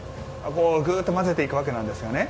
ぐーっと混ぜていくわけなんです。